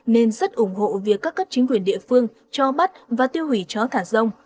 nên rất ủng hộ việc các cấp chính quyền địa phương cho bắt và tiêu hủy chó thả rông